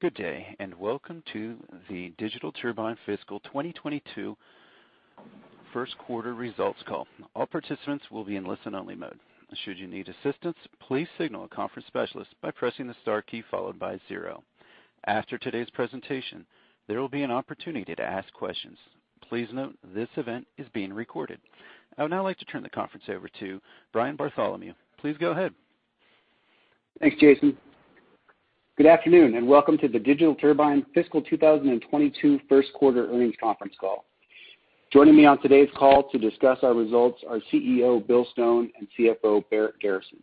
Good day, Welcome to the Digital Turbine Fiscal 2022 first quarter results call. All participants will be in listen only mode. Should you need assistance, please signal a conference specialist by pressing the star key, followed by zero. After today's presentation, there will be an opportunity to ask questions. Please note this event is being recorded. I would now like to turn the conference over to Brian Bartholomew. Please go ahead. Thanks, Jason. Good afternoon, welcome to the Digital Turbine Fiscal 2022 First Quarter Earnings Conference Call. Joining me on today's call to discuss our results are CEO, Bill Stone, and CFO, Barrett Garrison.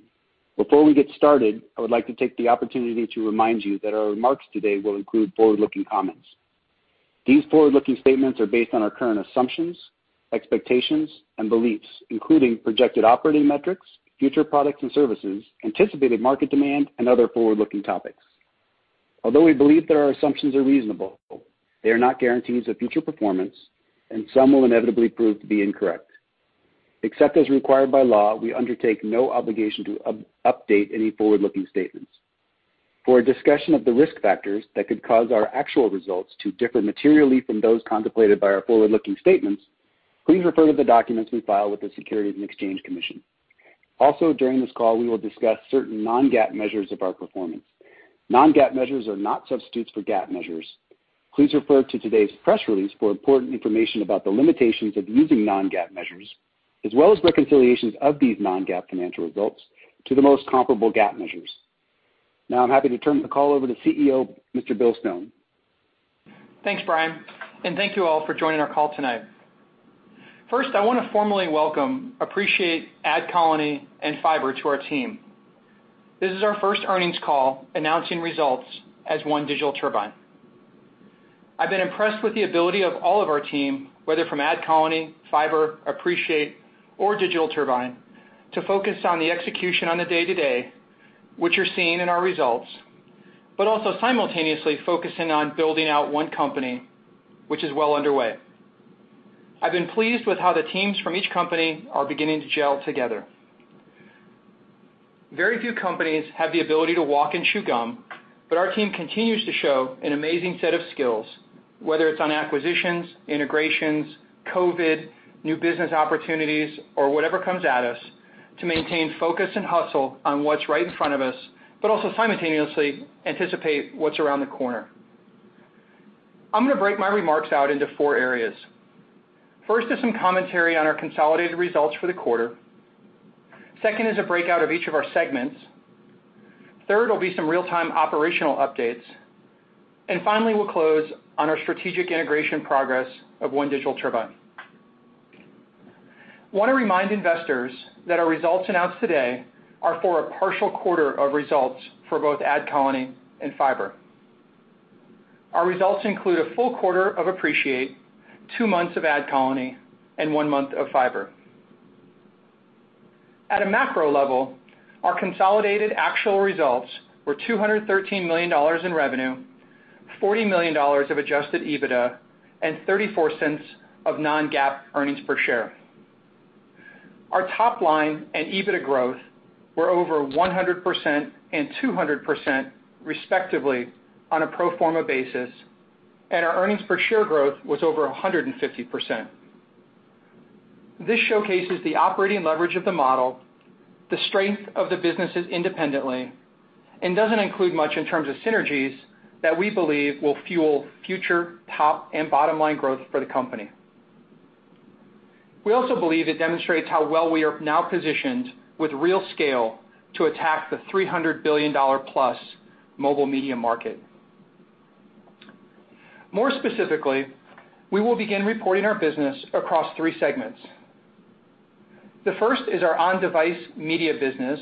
Before we get started, I would like to take the opportunity to remind you that our remarks today will include forward-looking comments. These forward-looking statements are based on our current assumptions, expectations, and beliefs, including projected operating metrics, future products and services, anticipated market demand, and other forward-looking topics. Although we believe that our assumptions are reasonable, they are not guarantees of future performance, and some will inevitably prove to be incorrect. Except as required by law, we undertake no obligation to update any forward-looking statements. For a discussion of the risk factors that could cause our actual results to differ materially from those contemplated by our forward-looking statements, please refer to the documents we file with the Securities and Exchange Commission. Also, during this call, we will discuss certain non-GAAP measures of our performance. Non-GAAP measures are not substitutes for GAAP measures. Please refer to today's press release for important information about the limitations of using non-GAAP measures, as well as reconciliations of these non-GAAP financial results to the most comparable GAAP measures. Now I'm happy to turn the call over to CEO, Mr. Bill Stone. Thanks, Brian, and thank you all for joining our call tonight. First, I want to formally welcome Appreciate, AdColony, and Fyber to our team. This is our first earnings call announcing results as One Digital Turbine. I've been impressed with the ability of all of our team, whether from AdColony, Fyber, Appreciate, or Digital Turbine, to focus on the execution on the day-to-day, which you're seeing in our results, but also simultaneously focusing on building out one company, which is well underway. I've been pleased with how the teams from each company are beginning to gel together. Very few companies have the ability to walk and chew gum, but our team continues to show an amazing set of skills, whether it's on acquisitions, integrations, COVID, new business opportunities, or whatever comes at us, to maintain focus and hustle on what's right in front of us, but also simultaneously anticipate what's around the corner. I'm going to break my remarks out into four areas. First is some commentary on our consolidated results for the quarter. Second is a breakout of each of our segments. Third will be some real-time operational updates. Finally, we'll close on our strategic integration progress of One Digital Turbine. We want to remind investors that our results announced today are for a partial quarter of results for both AdColony and Fyber. Our results include a full quarter of Appreciate, two months of AdColony, and one month of Fyber. At a macro level, our consolidated actual results were $213 million in revenue, $40 million of adjusted EBITDA, and $0.34 of non-GAAP earnings per share. Our top line and EBITDA growth were over 100% and 200% respectively on a pro forma basis, and our earnings per share growth was over 150%. This showcases the operating leverage of the model, the strength of the businesses independently, and doesn't include much in terms of synergies that we believe will fuel future top and bottom line growth for the company. We also believe it demonstrates how well we are now positioned with real scale to attack the $300 billion+ mobile media market. More specifically, we will begin reporting our business across three segments. The first is our on-device media business,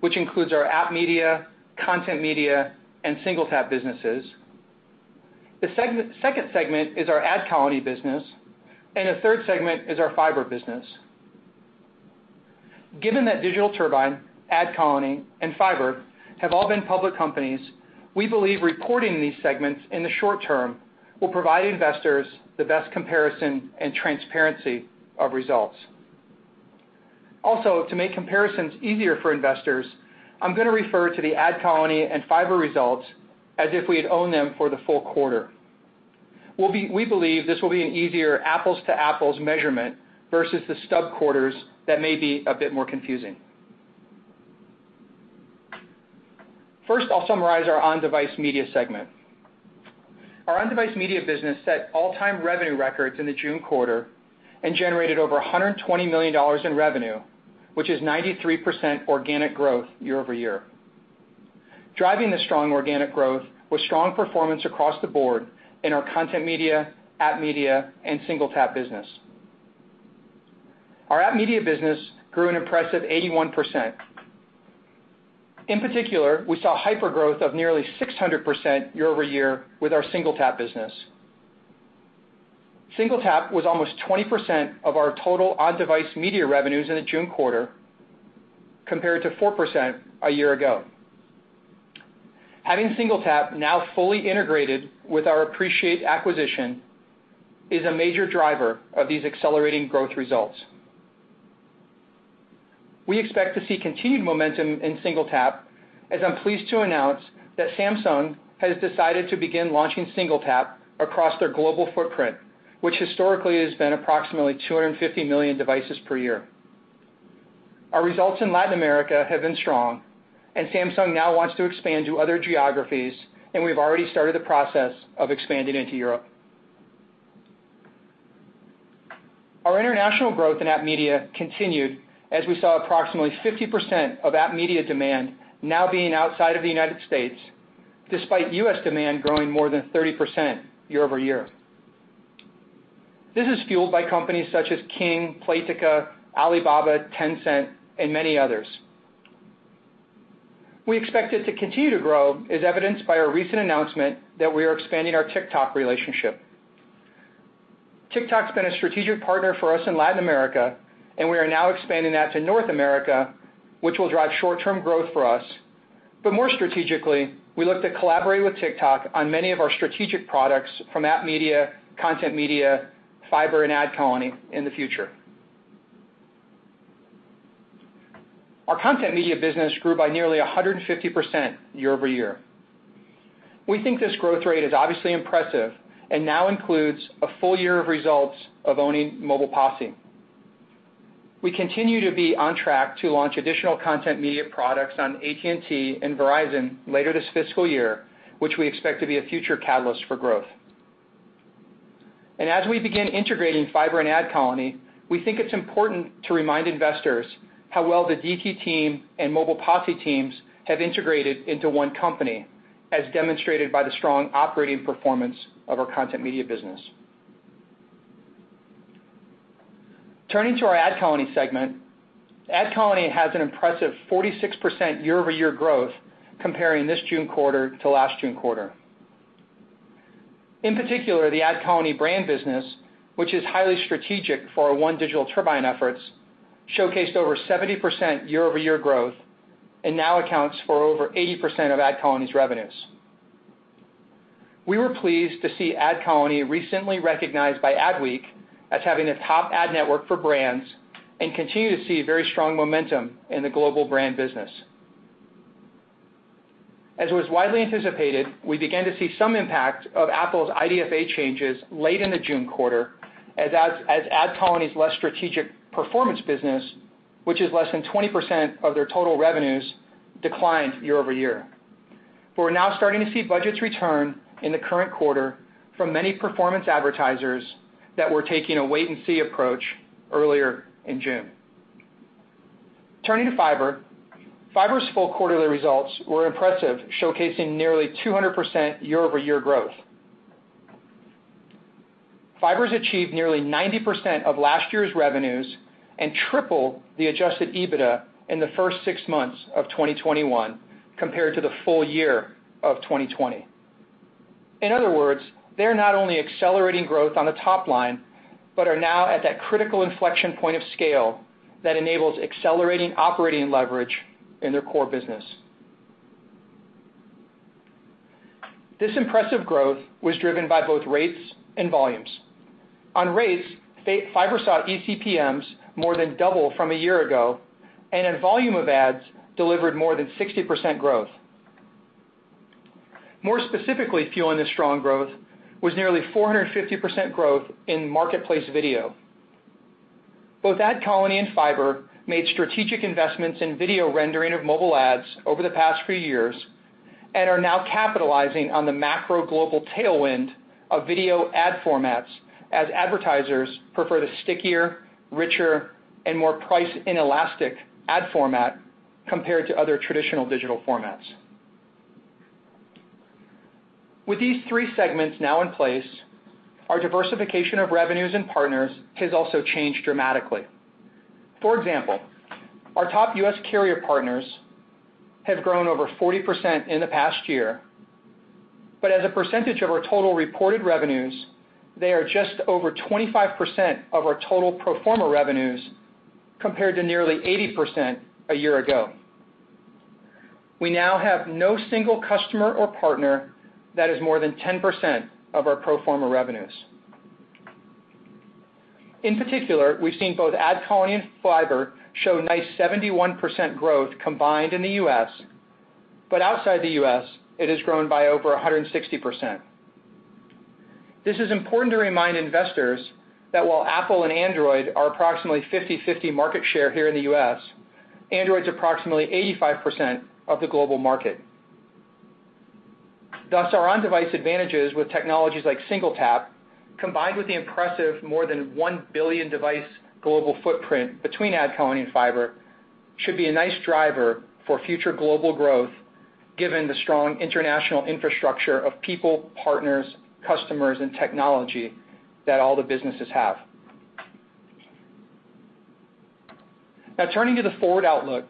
which includes our AppMedia, ContentMedia, and SingleTap businesses. The second segment is our AdColony business, and the third segment is our Fyber business. Given that Digital Turbine, AdColony, and Fyber have all been public companies, we believe reporting these segments in the short term will provide investors the best comparison and transparency of results. To make comparisons easier for investors, I'm going to refer to the AdColony and Fyber results as if we had owned them for the full quarter. We believe this will be an easier apples-to-apples measurement versus the stub quarters that may be a bit more confusing. First, I'll summarize our on-device media segment. Our on-device media business set all-time revenue records in the June quarter and generated over $120 million in revenue, which is 93% organic growth year-over-year. Driving the strong organic growth was strong performance across the board in our Content Media, Application Media, and SingleTap business. Our Application Media business grew an impressive 81%. In particular, we saw hypergrowth of nearly 600% year-over-year with our SingleTap business. SingleTap was almost 20% of our total on-device media revenues in the June quarter, compared to 4% a year ago. Having SingleTap now fully integrated with our Appreciate acquisition is a major driver of these accelerating growth results. We expect to see continued momentum in SingleTap, as I'm pleased to announce that Samsung has decided to begin launching SingleTap across their global footprint, which historically has been approximately 250 million devices per year. Our results in Latin America have been strong, and Samsung now wants to expand to other geographies, and we've already started the process of expanding into Europe. Our international growth in AppMedia continued as we saw approximately 50% of AppMedia demand now being outside of the U.S., despite U.S. demand growing more than 30% year-over-year. This is fueled by companies such as King, Playtika, Alibaba, Tencent, and many others. We expect it to continue to grow, as evidenced by our recent announcement that we are expanding our TikTok relationship. TikTok's been a strategic partner for us in Latin America, and we are now expanding that to North America, which will drive short-term growth for us. More strategically, we look to collaborate with TikTok on many of our strategic products from AppMedia, ContentMedia, Fyber and AdColony in the future. Our ContentMedia business grew by nearly 150% year-over-year. We think this growth rate is obviously impressive and now includes a full year of results of owning Mobile Posse. We continue to be on track to launch additional Content Media products on AT&T and Verizon later this fiscal year, which we expect to be a future catalyst for growth. As we begin integrating Fyber and AdColony, we think it's important to remind investors how well the DT team and Mobile Posse teams have integrated into one company, as demonstrated by the strong operating performance of our Content Media business. Turning to our AdColony segment, AdColony has an impressive 46% year-over-year growth comparing this June quarter to last June quarter. In particular, the AdColony brand business, which is highly strategic for our One Digital Turbine efforts, showcased over 70% year-over-year growth and now accounts for over 80% of AdColony's revenues. We were pleased to see AdColony recently recognized by Adweek as having the top ad network for brands and continue to see very strong momentum in the global brand business. As was widely anticipated, we began to see some impact of Apple's IDFA changes late in the June quarter as AdColony's less strategic performance business, which is less than 20% of their total revenues, declined year-over-year. We're now starting to see budgets return in the current quarter from many performance advertisers that were taking a wait-and-see approach earlier in June. Turning to Fyber. Fyber's full quarterly results were impressive, showcasing nearly 200% year-over-year growth. Fyber's achieved nearly 90% of last year's revenues and triple the adjusted EBITDA in the first six months of 2021 compared to the full year of 2020. In other words, they're not only accelerating growth on the top line, but are now at that critical inflection point of scale that enables accelerating operating leverage in their core business. This impressive growth was driven by both rates and volumes. On rates, Fyber saw ECPMs more than 2x from a year ago, and in volume of ads delivered more than 60% growth. More specifically, fueling this strong growth was nearly 450% growth in Marketplace video. Both AdColony and Fyber made strategic investments in video rendering of mobile ads over the past few years and are now capitalizing on the macro global tailwind of video ad formats as advertisers prefer the stickier, richer, and more price inelastic ad format compared to other traditional digital formats. With these three segments now in place, our diversification of revenues and partners has also changed dramatically. For example, our top U.S. carrier partners have grown over 40% in the past year, but as a percentage of our total reported revenues, they are just over 25% of our total pro forma revenues, compared to nearly 80% a year ago. We now have no single customer or partner that is more than 10% of our pro forma revenues. In particular, we've seen both AdColony and Fyber show nice 71% growth combined in the U.S., but outside the U.S., it has grown by over 160%. This is important to remind investors that while Apple and Android are approximately 50/50 market share here in the U.S., Android is approximately 85% of the global market. Our on-device advantages with technologies like SingleTap, combined with the impressive more than 1 billion device global footprint between AdColony and Fyber, should be a nice driver for future global growth given the strong international infrastructure of people, partners, customers and technology that all the businesses have. Turning to the forward outlook.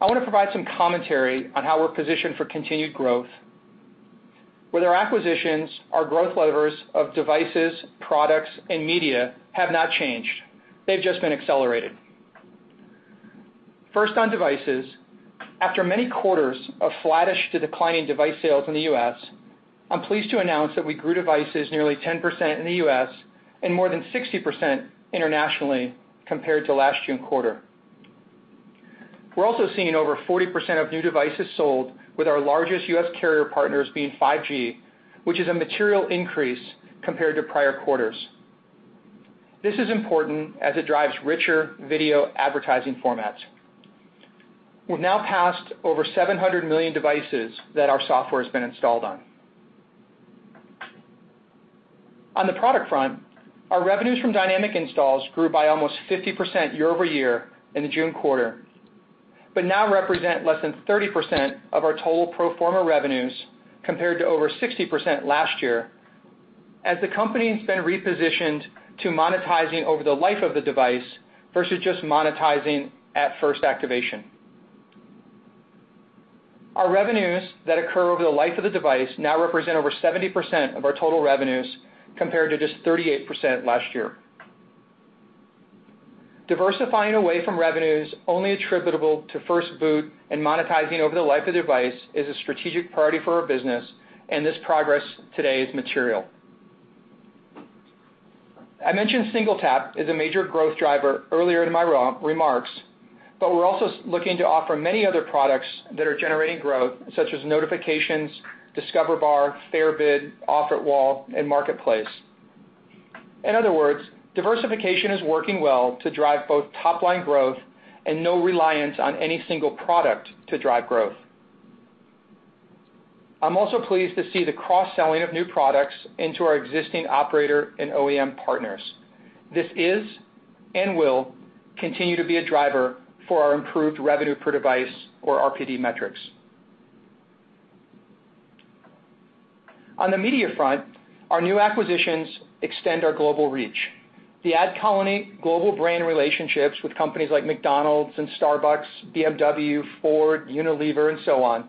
I want to provide some commentary on how we're positioned for continued growth. With our acquisitions, our growth levers of devices, products, and media have not changed. They've just been accelerated. First on devices. After many quarters of flattish to declining device sales in the U.S., I'm pleased to announce that we grew devices nearly 10% in the U.S. and more than 60% internationally compared to last June quarter. We're also seeing over 40% of new devices sold with our largest U.S. carrier partners being 5G, which is a material increase compared to prior quarters. This is important as it drives richer video advertising formats. We've now passed over 700 million devices that our software has been installed on. On the product front, our revenues from dynamic installs grew by almost 50% year-over-year in the June quarter, but now represent less than 30% of our total pro forma revenues, compared to over 60% last year, as the company has been repositioned to monetizing over the life of the device versus just monetizing at first activation. Our revenues that occur over the life of the device now represent over 70% of our total revenues, compared to just 38% last year. Diversifying away from revenues only attributable to first boot and monetizing over the life of the device is a strategic priority for our business, and this progress today is material. I mentioned SingleTap as a major growth driver earlier in my remarks, but we're also looking to offer many other products that are generating growth, such as Notifications, Discover Bar, FairBid, Offer Wall, and Marketplace. In other words, diversification is working well to drive both top-line growth and no reliance on any single product to drive growth. I'm also pleased to see the cross-selling of new products into our existing operator and OEM partners. This is and will continue to be a driver for our improved revenue per device or RPD metrics. On the media front, our new acquisitions extend our global reach. The AdColony global brand relationships with companies like McDonald's and Starbucks, BMW, Ford, Unilever, and so on,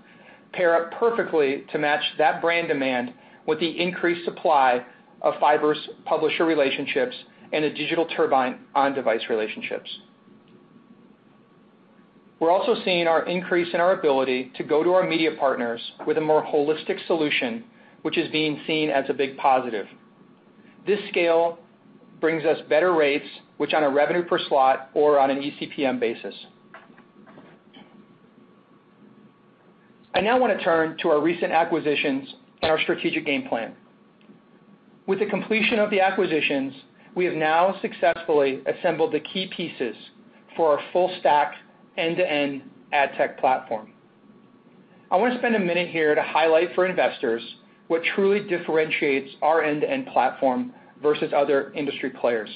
pair up perfectly to match that brand demand with the increased supply of Fyber's publisher relationships and a Digital Turbine on-device relationships. We're also seeing our increase in our ability to go to our media partners with a more holistic solution, which is being seen as a big positive. This scale brings us better rates, which on a revenue per slot or on an ECPM basis. I now want to turn to our recent acquisitions and our strategic game plan. With the completion of the acquisitions, we have now successfully assembled the key pieces for our full stack end-to-end ad tech platform. I want to spend a minute here to highlight for investors what truly differentiates our end-to-end platform versus other industry players.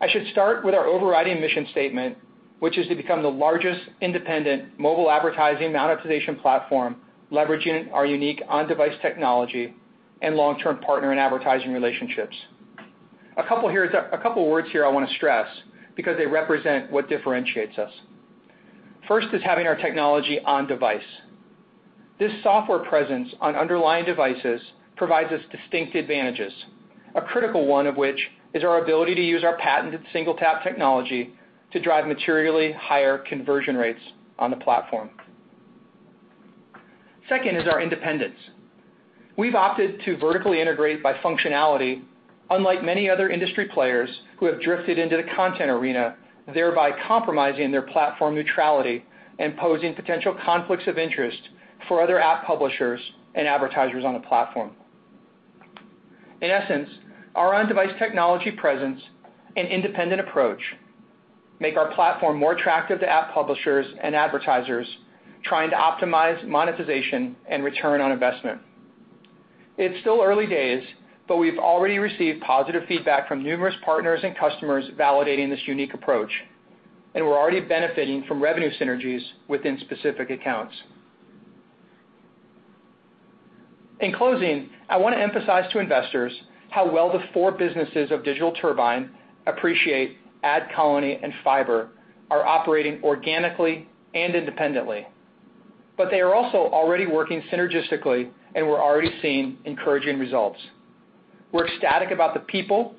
I should start with our overriding mission statement, which is to become the largest independent mobile advertising monetization platform, leveraging our unique on-device technology and long-term partner and advertising relationships. A couple words here I want to stress because they represent what differentiates us. First is having our technology on device. This software presence on underlying devices provides us distinct advantages, a critical one of which is our ability to use our patented SingleTap technology to drive materially higher conversion rates on the platform. Second is our independence. We've opted to vertically integrate by functionality, unlike many other industry players who have drifted into the content arena, thereby compromising their platform neutrality and posing potential conflicts of interest for other app publishers and advertisers on the platform. In essence, our on-device technology presence and independent approach make our platform more attractive to app publishers and advertisers trying to optimize monetization and return on investment. It's still early days, but we've already received positive feedback from numerous partners and customers validating this unique approach, and we're already benefiting from revenue synergies within specific accounts. In closing, I want to emphasize to investors how well the four businesses of Digital Turbine, Appreciate, AdColony and Fyber are operating organically and independently. They are also already working synergistically, and we're already seeing encouraging results. We're ecstatic about the people,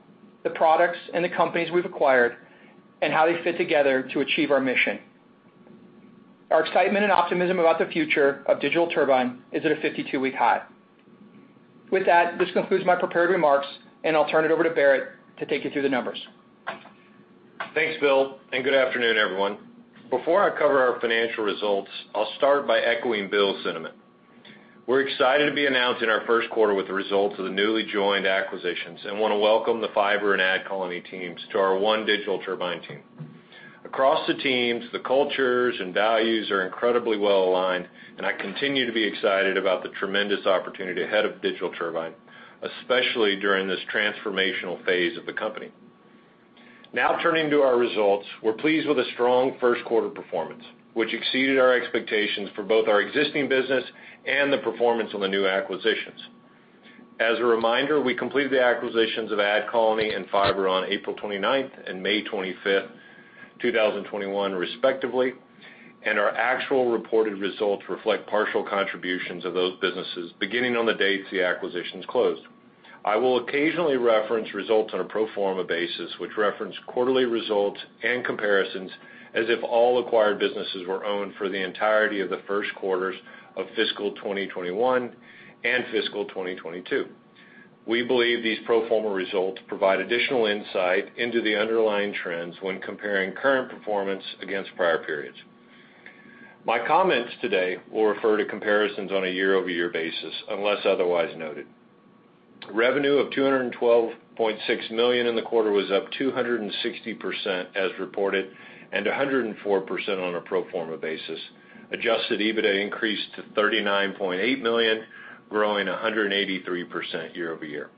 the products, and the companies we've acquired and how they fit together to achieve our mission. Our excitement and optimism about the future of Digital Turbine is at a 52-week high. With that, this concludes my prepared remarks, and I'll turn it over to Barrett to take you through the numbers. Thanks, Bill. Good afternoon, everyone. Before I cover our financial results, I'll start by echoing Bill's sentiment. We're excited to be announcing our first quarter with the results of the newly joined acquisitions and want to welcome the Fyber and AdColony teams to our One Digital Turbine team. Across the teams, the cultures and values are incredibly well-aligned, and I continue to be excited about the tremendous opportunity ahead of Digital Turbine, especially during this transformational phase of the company. Now turning to our results, we're pleased with the strong first quarter performance, which exceeded our expectations for both our existing business and the performance on the new acquisitions. As a reminder, we completed the acquisitions of AdColony and Fyber on April 29th and May 25th, 2021, respectively, and our actual reported results reflect partial contributions of those businesses beginning on the dates the acquisitions closed. I will occasionally reference results on a pro forma basis, which reference quarterly results and comparisons as if all acquired businesses were owned for the entirety of the first quarters of fiscal 2021 and fiscal 2022. We believe these pro forma results provide additional insight into the underlying trends when comparing current performance against prior periods. My comments today will refer to comparisons on a year-over-year basis, unless otherwise noted. Revenue of $212.6 million in the quarter was up 260% as reported and 104% on a pro forma basis. Adjusted EBITDA increased to $39.8 million, growing 183% year-over-year.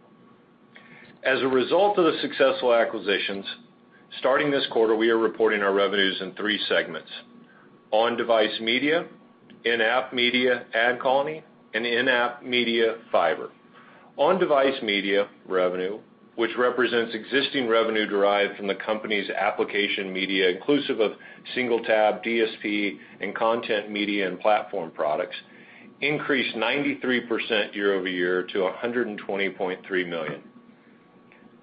As a result of the successful acquisitions, starting this quarter, we are reporting our revenues in three segments: On-Device Media, In-App Media AdColony, and In-App Media Fyber. On-Device Media revenue, which represents existing revenue derived from the company's Application Media inclusive of SingleTap, DSP, and Content Media and platform products, increased 93% year-over-year to $120.3 million.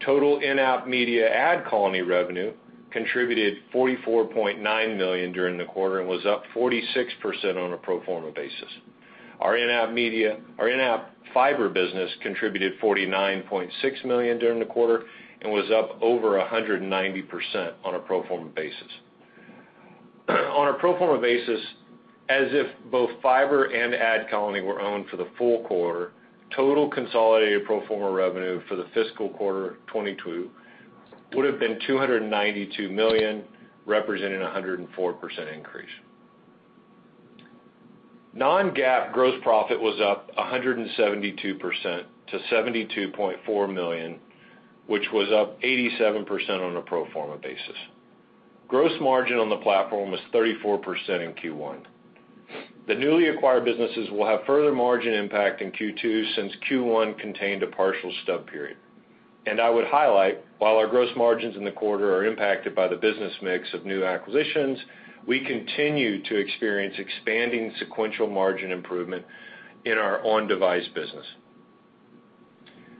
Total In-App Media AdColony revenue contributed $44.9 million during the quarter and was up 46% on a pro forma basis. Our In-App Fyber business contributed $49.6 million during the quarter and was up over 190% on a pro forma basis. On a pro forma basis, as if both Fyber and AdColony were owned for the full quarter, total consolidated pro forma revenue for the fiscal quarter 2022 would've been $292 million, representing 104% increase. Non-GAAP gross profit was up 172% to $72.4 million, which was up 87% on a pro forma basis. Gross margin on the platform was 34% in Q1. The newly acquired businesses will have further margin impact in Q2, since Q1 contained a partial stub period. I would highlight, while our gross margins in the quarter are impacted by the business mix of new acquisitions, we continue to experience expanding sequential margin improvement in our on-device business.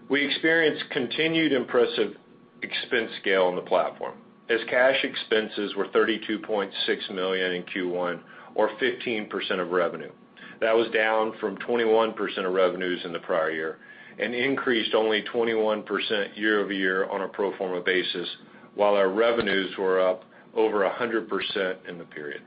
We experienced continued impressive expense scale on the platform, as cash expenses were $32.6 million in Q1, or 15% of revenue. That was down from 21% of revenues in the prior year and increased only 21% year-over-year on a pro forma basis while our revenues were up over 100% in the period.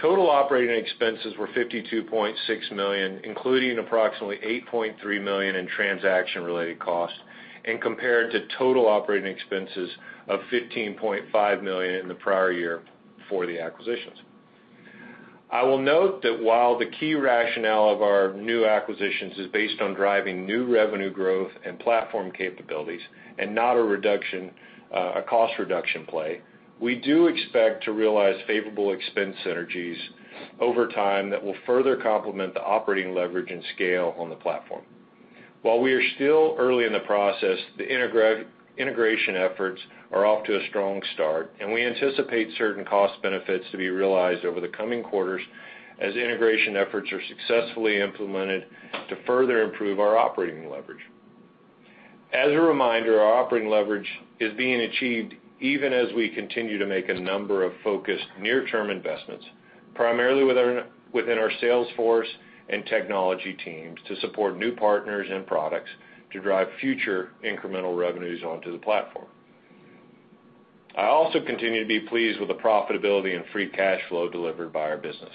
Total operating expenses were $52.6 million, including approximately $8.3 million in transaction-related costs and compared to total operating expenses of $15.5 million in the prior year for the acquisitions. I will note that while the key rationale of our new acquisitions is based on driving new revenue growth and platform capabilities and not a cost reduction play, we do expect to realize favorable expense synergies over time that will further complement the operating leverage and scale on the platform. While we are still early in the process, the integration efforts are off to a strong start, and we anticipate certain cost benefits to be realized over the coming quarters as integration efforts are successfully implemented to further improve our operating leverage. As a reminder, our operating leverage is being achieved even as we continue to make a number of focused near-term investments, primarily within our sales force and technology teams to support new partners and products to drive future incremental revenues onto the platform. I also continue to be pleased with the profitability and free cash flow delivered by our business.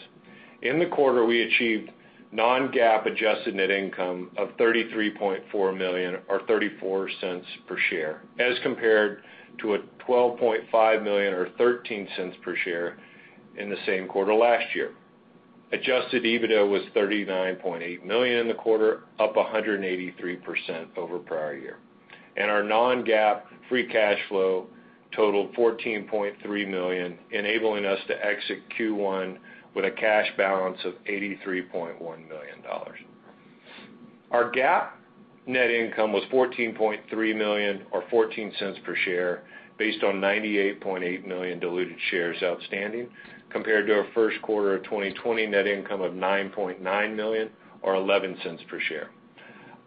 In the quarter, we achieved non-GAAP adjusted net income of $33.4 million or $0.34 per share as compared to a $12.5 million or $0.13 per share in the same quarter last year. Adjusted EBITDA was $39.8 million in the quarter, up 183% over prior year. Our non-GAAP free cash flow totaled $14.3 million, enabling us to exit Q1 with a cash balance of $83.1 million. Our GAAP net income was $14.3 million or $0.14 per share based on 98.8 million diluted shares outstanding compared to our first quarter of 2020 net income of $9.9 million or $0.11 per share.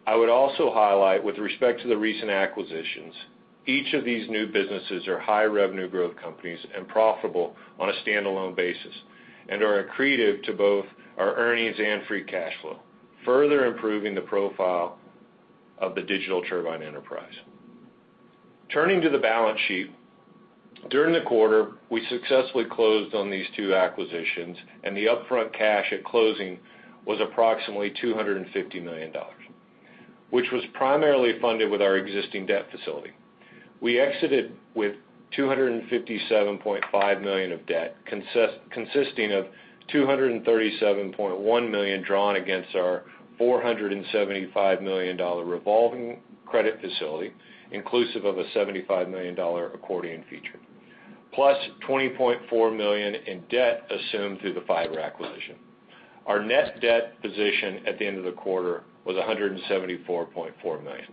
I would also highlight with respect to the recent acquisitions, each of these new businesses are high revenue growth companies and profitable on a standalone basis and are accretive to both our earnings and free cash flow, further improving the profile of the Digital Turbine enterprise. Turning to the balance sheet, during the quarter, we successfully closed on these two acquisitions. The upfront cash at closing was approximately $250 million, which was primarily funded with our existing debt facility. We exited with $257.5 million of debt, consisting of $237.1 million drawn against our $475 million revolving credit facility, inclusive of a $75 million accordion feature, plus $20.4 million in debt assumed through the Fyber acquisition. Our net debt position at the end of the quarter was $174.4 million.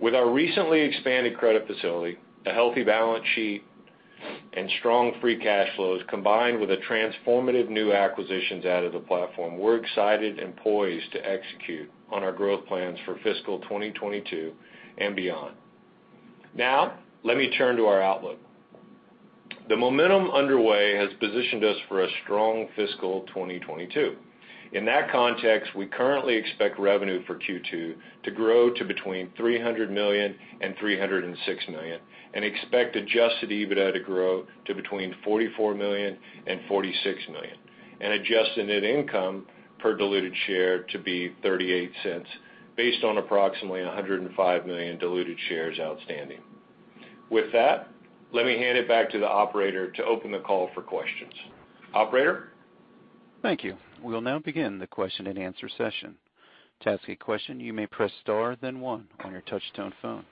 With our recently expanded credit facility, a healthy balance sheet, and strong free cash flows, combined with the transformative new acquisitions out of the platform, we're excited and poised to execute on our growth plans for fiscal 2022 and beyond. Now, let me turn to our outlook. The momentum underway has positioned us for a strong fiscal 2022. In that context, we currently expect revenue for Q2 to grow to between $300 million and $306 million, and expect adjusted EBITDA to grow to between $44 million and $46 million, and adjusted net income per diluted share to be $0.38 based on approximately 105 million diluted shares outstanding. With that, let me hand it back to the operator to open the call for questions. Operator? Thank you. We'll now begin the question and answer session. To ask a question, you may press star then one on your touch tone phone.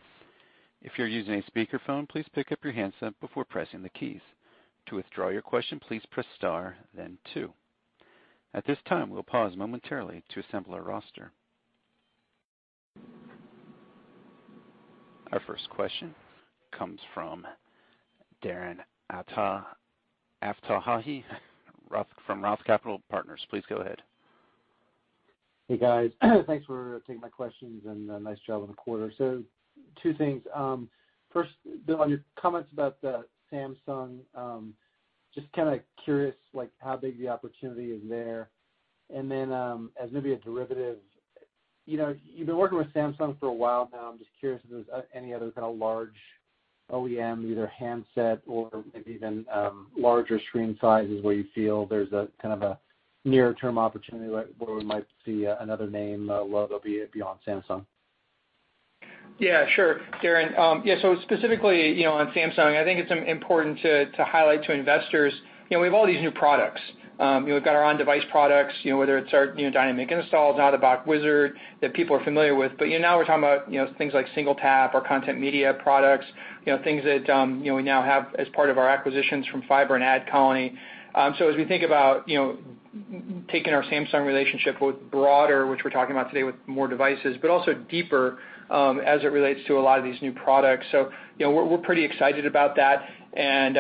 If you're using a speakerphone, please pick up your handset before pressing the keys. To withdraw your question, please press star then two. At this time, we'll pause momentarily to assemble our roster. Our first question comes from Darren Aftahi from ROTH Capital Partners. Please go ahead. Hey, guys. Thanks for taking my questions and nice job on the quarter. Two things. First, Bill, on your comments about the Samsung, just curious how big the opportunity is there. Then, as maybe a derivative, you've been working with Samsung for a while now. I'm just curious if there's any other kind of large OEM, either handset or maybe even larger screen size is where you feel there's a kind of a near-term opportunity where we might see another name load beyond Samsung. Sure, Darren. Specifically on Samsung, I think it's important to highlight to investors, we have all these new products. We've got our on-device products, whether it's our dynamic installs, out-of-box wizard that people are familiar with. Now we're talking about things like SingleTap or Content Media products, things that we now have as part of our acquisitions from Fyber and AdColony. As we think about taking our Samsung relationship with broader, which we're talking about today with more devices, but also deeper as it relates to a lot of these new products. We're pretty excited about that and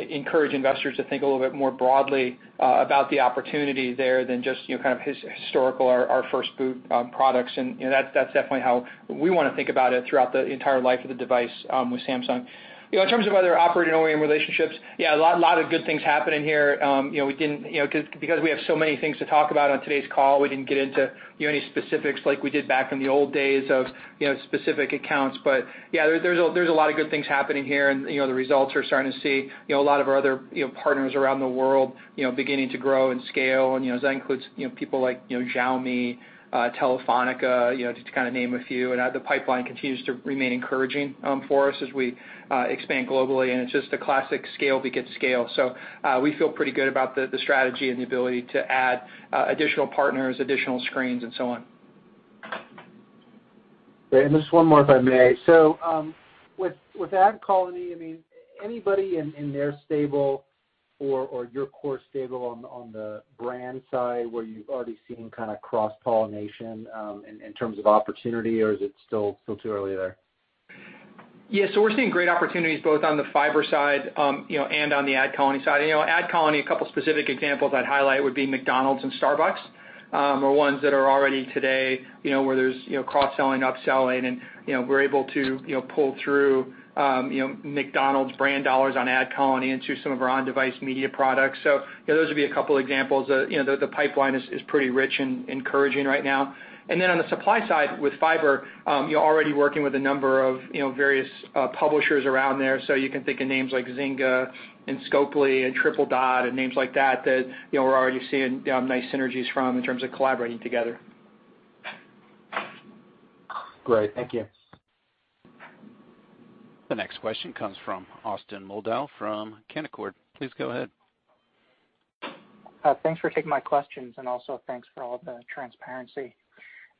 encourage investors to think a little bit more broadly about the opportunity there than just kind of historical or our first boot products. That's definitely how we want to think about it throughout the entire life of the device with Samsung. In terms of other operating OEM relationships, yeah, a lot of good things happening here. Because we have so many things to talk about on today's call, we didn't get into any specifics like we did back in the old days of specific accounts. Yeah, there's a lot of good things happening here and the results we're starting to see, a lot of our other partners around the world beginning to grow and scale. That includes people like Xiaomi, Telefónica, just to name a few. The pipeline continues to remain encouraging for us as we expand globally, and it's just a classic scale to get scale. We feel pretty good about the strategy and the ability to add additional partners, additional screens, and so on. Great. Just one more, if I may. With AdColony, anybody in their stable or your core stable on the brand side where you've already seen kind of cross-pollination in terms of opportunity, or is it still too early there? Yeah, we're seeing great opportunities both on the Fyber side and on the AdColony side. AdColony, a couple specific examples I'd highlight would be McDonald's and Starbucks are ones that are already today where there's cross-selling, upselling, and we're able to pull through McDonald's brand dollars on AdColony into some of our on-Device Media products. Those would be a couple examples. The pipeline is pretty rich and encouraging right now. On the supply side with Fyber, already working with a number of various publishers around there. You can think of names like Zynga and Scopely and Tripledot and names like that we're already seeing nice synergies from in terms of collaborating together. Great. Thank you. The next question comes from Austin Moldow from Canaccord. Please go ahead. Thanks for taking my questions, also thanks for all the transparency.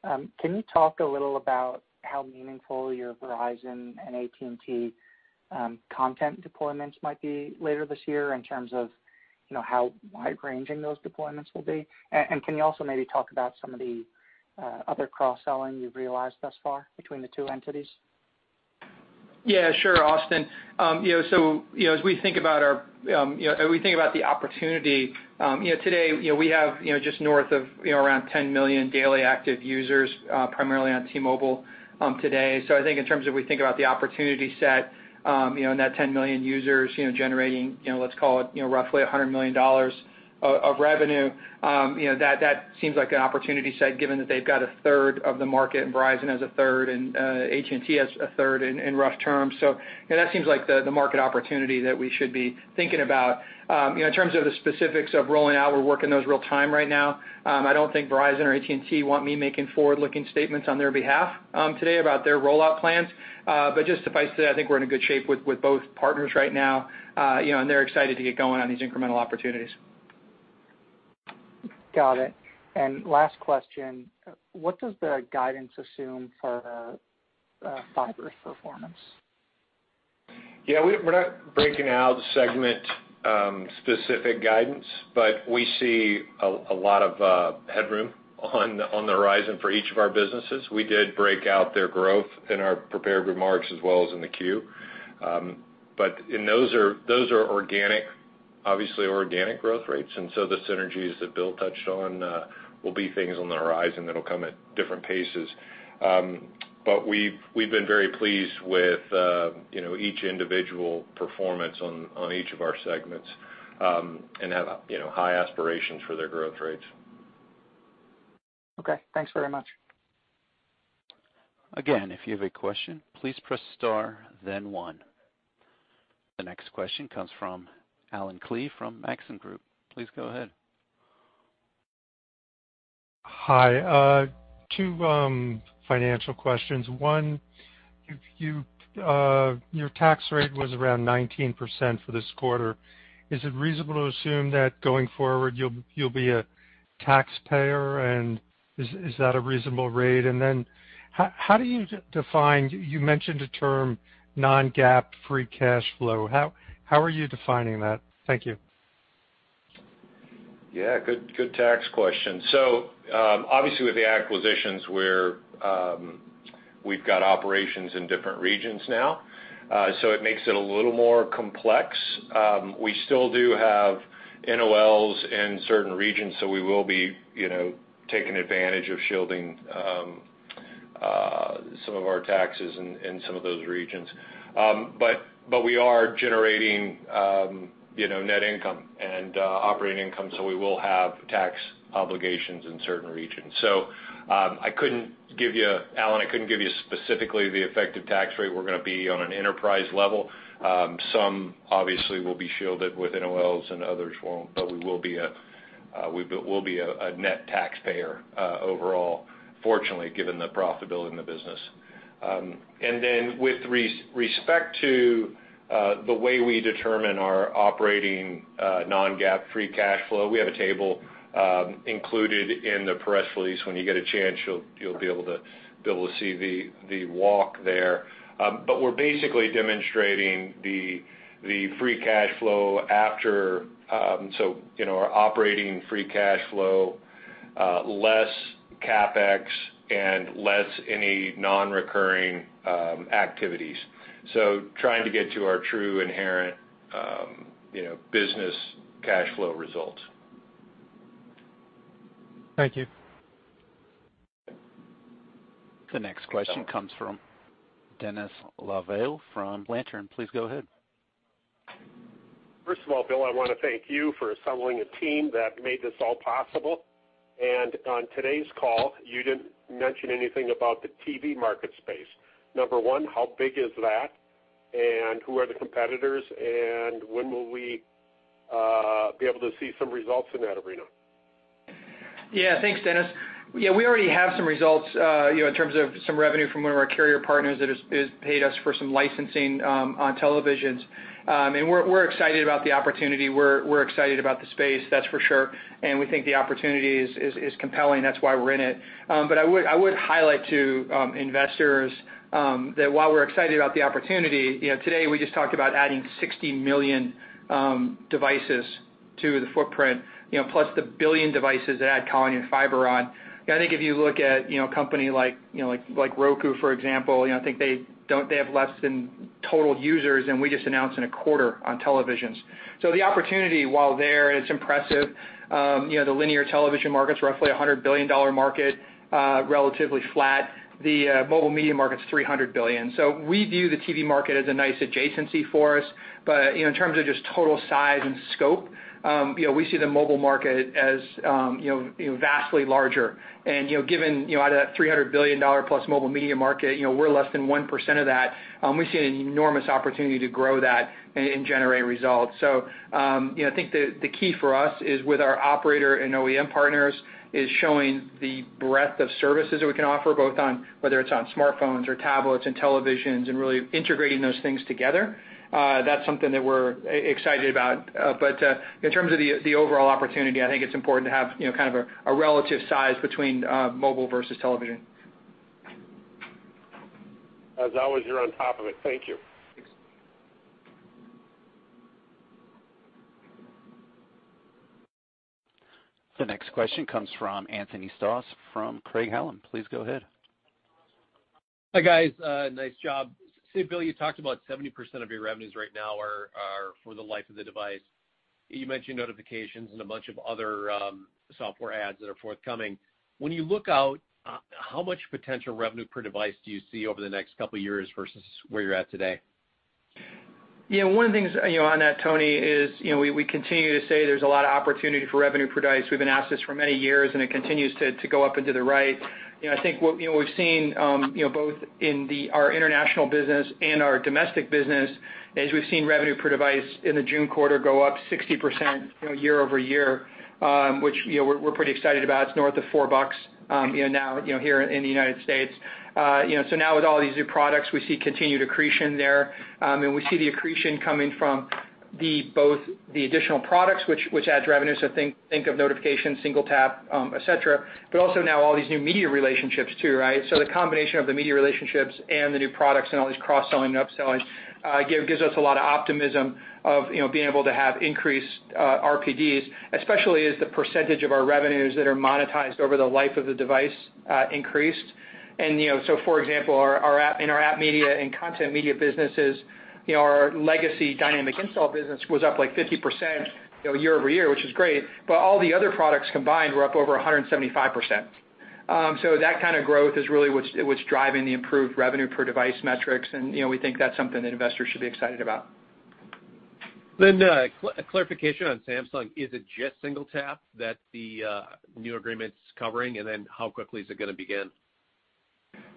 Can you talk a little about how meaningful your Verizon and AT&T content deployments might be later this year in terms of how wide-ranging those deployments will be? Can you also maybe talk about some of the other cross-selling you've realized thus far between the two entities? Yeah, sure, Austin. As we think about the opportunity, today we have just north of around 10 million daily active users primarily on T-Mobile today. I think in terms of we think about the opportunity set and that 10 million users generating, let's call it roughly $100 million of revenue, that seems like an opportunity set given that they've got a third of the market and Verizon has a third and AT&T has a third in rough terms. In terms of the specifics of rolling out, we're working those real-time right now. I don't think Verizon or AT&T want me making forward-looking statements on their behalf today about their rollout plans. Just suffice it, I think we're in a good shape with both partners right now, and they're excited to get going on these incremental opportunities. Got it. Last question, what does the guidance assume for Fyber's performance? Yeah, we're not breaking out segment-specific guidance, but we see a lot of headroom on the horizon for each of our businesses. We did break out their growth in our prepared remarks as well as in the queue. Those are obviously organic growth rates, and so the synergies that Bill touched on will be things on the horizon that'll come at different paces. We've been very pleased with each individual performance on each of our segments and have high aspirations for their growth rates. Okay. Thanks very much. Again, if you have a question, please press star then one. The next question comes from Allen Klee from Maxim Group. Please go ahead. Hi. Two financial questions. One, your tax rate was around 19% for this quarter. Is it reasonable to assume that going forward you'll be a taxpayer, and is that a reasonable rate? How do you define-- you mentioned a term, non-GAAP free cash flow. How are you defining that? Thank you. Yeah, good tax question. Obviously with the acquisitions, we've got operations in different regions now, so it makes it a little more complex. We still do have NOLs in certain regions, so we will be taking advantage of shielding some of our taxes in some of those regions. We are generating net income and operating income, so we will have tax obligations in certain regions. Allen, I couldn't give you specifically the effective tax rate we're going to be on an enterprise level. Some obviously will be shielded with NOLs and others won't. We will be a net taxpayer overall, fortunately, given the profitability in the business. With respect to the way we determine our operating non-GAAP free cash flow, we have a table included in the press release. When you get a chance, you'll be able to see the walk there. We're basically demonstrating the free cash flow after, so our operating free cash flow, less CapEx and less any non-recurring activities. Trying to get to our true inherent business cash flow results. Thank you. The next question comes from Dennis LaValle from Lantern. Please go ahead. First of all, Bill, I want to thank you for assembling a team that made this all possible. On today's call, you didn't mention anything about the TV market space. Number one, how big is that? Who are the competitors, and when will we be able to see some results in that arena? Yeah. Thanks, Dennis. We already have some results in terms of some revenue from one of our carrier partners that has paid us for some licensing on televisions. We're excited about the opportunity, we're excited about the space, that's for sure. We think the opportunity is compelling. That's why we're in it. I would highlight to investors that while we're excited about the opportunity, today we just talked about adding 60 million devices to the footprint, plus the 1 billion devices that AdColony and Fyber on. I think if you look at a company like Roku, for example, I think they have less than total users, and we just announced in a quarter on televisions. The opportunity, while there and it's impressive, the linear television market's roughly $100 billion market, relatively flat. The mobile media market's $300 billion. We view the TV market as a nice adjacency for us. In terms of just total size and scope, we see the mobile market as vastly larger. Out of that $300 billion-plus mobile media market, we're less than 1% of that. We see an enormous opportunity to grow that and generate results. I think the key for us is with our operator and OEM partners, is showing the breadth of services that we can offer, both on whether it's on smartphones or tablets and televisions, and really integrating those things together. That's something that we're excited about. In terms of the overall opportunity, I think it's important to have kind of a relative size between mobile versus television. As always, you're on top of it. Thank you. Thanks. The next question comes from Anthony Stoss from Craig-Hallum. Please go ahead. Hi, guys. Nice job. Bill, you talked about 70% of your revenues right now are for the life of the device. You mentioned Notifications and a bunch of other software ads that are forthcoming. When you look out, how much potential revenue per device do you see over the next couple of years versus where you're at today? One of the things on that, Tony, is we continue to say there's a lot of opportunity for revenue per device. We've been asked this for many years, it continues to go up and to the right. I think what we've seen both in our international business and our domestic business, is we've seen revenue per device in the June quarter go up 60% year-over-year, which we're pretty excited about. It's north of $4 now here in the U.S. Now with all these new products, we see continued accretion there. We see the accretion coming from both the additional products which adds revenue, think of Notifications, SingleTap, et cetera, but also now all these new media relationships too, right? The combination of the media relationships and the new products and all these cross-selling and upselling gives us a lot of optimism of being able to have increased RPDs, especially as the percentage of our revenues that are monetized over the life of the device increased. For example, in our Application Media and Content Media businesses, our legacy dynamic install business was up like 50% year-over-year, which is great. All the other products combined were up over 175%. That kind of growth is really what's driving the improved revenue per device metrics, and we think that's something that investors should be excited about. And then a clarification on Samsung. Is it just SingleTap that the new agreement's covering? How quickly is it going to begin? Yeah.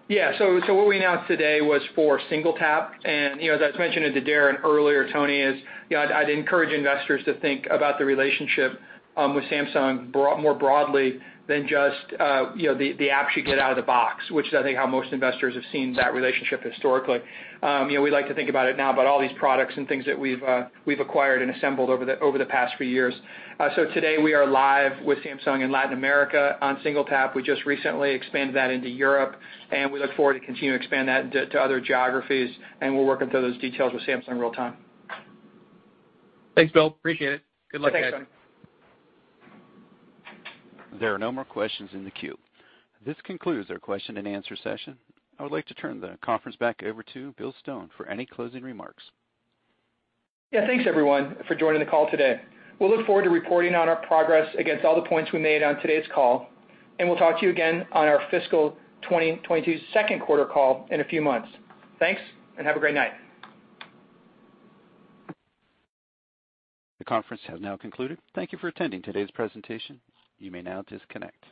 What we announced today was for SingleTap. As I mentioned to Darren earlier, Tony, is I'd encourage investors to think about the relationship with Samsung more broadly than just the apps you get out of the box, which is I think how most investors have seen that relationship historically. We like to think about it now about all these products and things that we've acquired and assembled over the past few years. Today, we are live with Samsung in Latin America on SingleTap. We just recently expanded that into Europe, and we look forward to continuing to expand that to other geographies, and we're working through those details with Samsung real time. Thanks, Bill. Appreciate it. Good luck, guys. Thanks, Tony. There are no more questions in the queue. This concludes our question and answer session. I would like to turn the conference back over to Bill Stone for any closing remarks. Yeah, thanks everyone for joining the call today. We'll look forward to reporting on our progress against all the points we made on today's call. We'll talk to you again on our fiscal 2022 second quarter call in a few months. Thanks, and have a great night. The conference has now concluded. Thank you for attending today's presentation. You may now disconnect.